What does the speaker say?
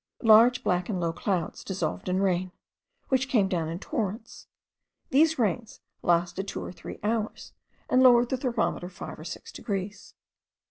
Large black and low clouds dissolved in rain, which came down in torrents: these rains lasted two or three hours, and lowered the thermometer five or six degrees.